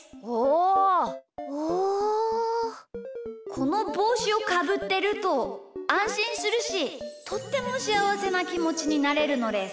このぼうしをかぶってるとあんしんするしとってもしあわせなきもちになれるのです。